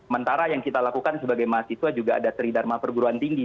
mentara yang kita lakukan sebagai mahasiswa juga ada tridharma perguruan tinggi